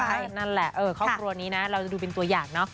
ใช่นั่นแหละครอบครัวนี้นะเราจะดูเป็นตัวอย่างเนอะ